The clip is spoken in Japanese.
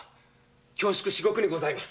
恐縮にございます。